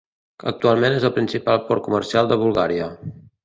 Actualment és el principal port comercial de Bulgària.